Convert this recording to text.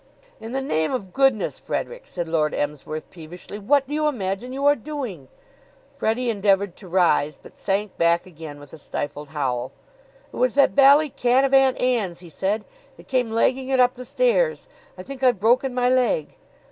"In the name of goodness, Frederick," said Lord Emsworth peevishly, "what do you imagine you are doing?" Freddie endeavored to rise, but sank back again with a stifled howl. "It was that bally cat of Aunt Ann's," he said. "It came legging it up the stairs. I think I've broken my leg."